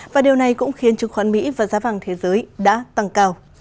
và điều này cũng khiến trực khoản mỹ và giá vàng thế giới đã tăng cao